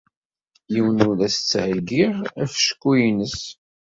Yiwen ur as-d-ttheyyiɣ afecku-nnes.